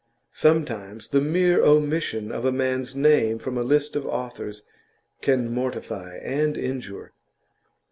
Sometimes the mere omission of a man's name from a list of authors can mortify and injure.